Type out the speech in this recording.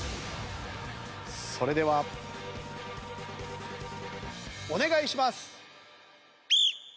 それではお願いします。